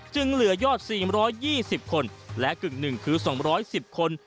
เหลือยอด๔๒๐คนและกึ่งหนึ่งคือ๒๑๐คน